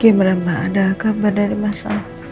gimana pak ada kabar dari masa